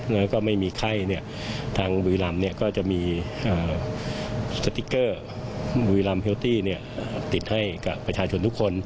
แล้วก็ไม่มีไข้เนี่ยทางบุรีรัมพ์เนี่ยก็จะมีสติกเกอร์บุรีรัมพ์เฮลตี้เนี่ยติดให้กับประชาชนทุกคน